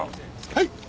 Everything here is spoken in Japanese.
はい！